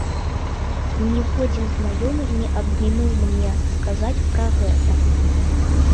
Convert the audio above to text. Ніводзін знаёмы не абмінуў мне сказаць пра гэта.